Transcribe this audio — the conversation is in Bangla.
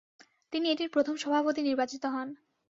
তিনি এটির প্রথম সভাপতি নির্বাচিত হন।